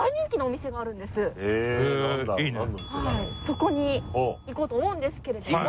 そこに行こうと思うんですけれども。